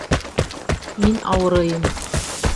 Мин ауырыйым.